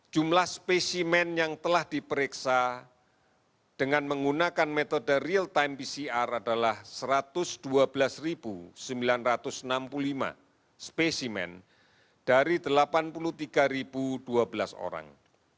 jumlah spesimen yang telah diperiksa dengan menggunakan metode real time pcr adalah satu ratus dua belas sembilan ratus enam puluh lima spesimen dari delapan puluh tiga dua belas orang